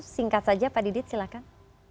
singkat saja pak didit silahkan